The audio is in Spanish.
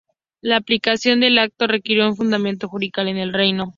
La aplicación del acto requirió un funcionamiento judicial en el reino.